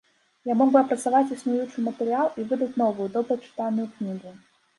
Я мог бы апрацаваць існуючы матэрыял і выдаць новую, добра чытаную кнігу.